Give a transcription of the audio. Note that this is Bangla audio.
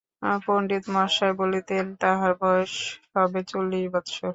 পণ্ডিতমহাশয় বলিতেন, তাঁহার বয়স সবে চল্লিশ বৎসর।